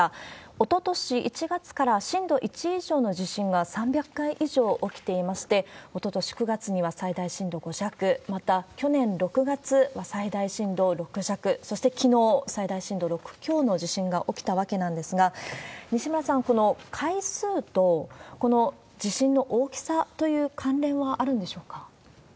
おととし１月から、震度１以上の地震が３００回以上起きていまして、おととし９月には最大震度５弱、また去年６月、最大震度６弱、そしてきのう、最大震度６強の地震が起きたわけなんですが、西村さん、この回数と、この地震の大きさという関連はあるんでしょうか？